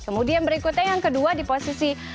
kemudian berikutnya yang kedua di posisi